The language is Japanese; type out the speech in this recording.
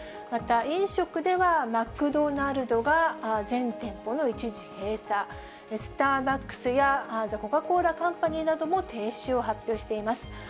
また飲食では、マクドナルドが全店舗の一時閉鎖、スターバックスや、ザコカ・コーラカンパニーなども停止を発表しています。